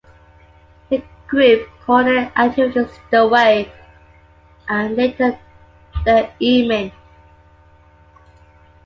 The group called their activities "The Way" and later "The Emin".